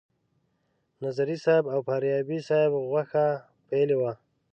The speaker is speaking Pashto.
نظري صیب او فاریابي صیب غوښه پیلې وه.